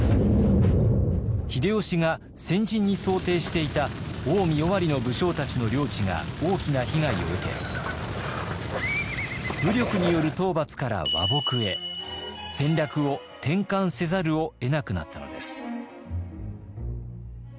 秀吉が戦陣に想定していた近江尾張の武将たちの領地が大きな被害を受け武力による討伐から和睦へ戦略を転換せざるをえなくなったのです。